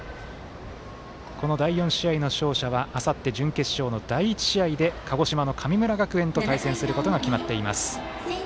この第４試合の勝者はあさって準決勝の第１試合で鹿児島の神村学園と対戦することが決まっています。